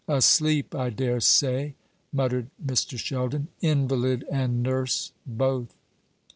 "Asleep, I dare say," muttered Mr. Sheldon, "invalid and nurse both."